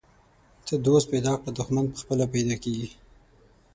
ته دوست پیدا کړه، دښمن پخپله پیدا کیږي.